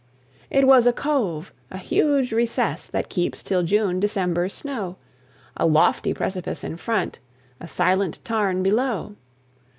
It was a cove, a huge recess, That keeps, till June, December's snow. A lofty precipice in front, A silent tarn below!